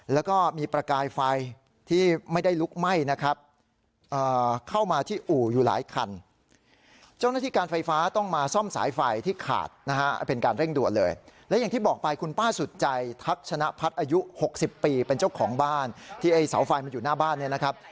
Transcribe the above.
และอย่างที่บอกไปคุณป้าสุดใจทักชนะพัดอายุหกสิบปีเป็นเจ้าของบ้านที่ไอ้เสาไฟมันอยู่หน้าบ้านเนี่ยนะครับ